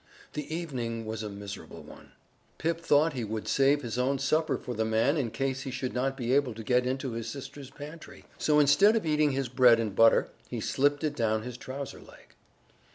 The evening was a miserable one. Pip thought he would save his own supper for the man in case he should not be able to get into his sister's pantry, so instead of eating his bread and butter he slipped it down his trouser leg.